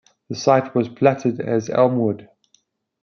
The site was platted as Elmwood.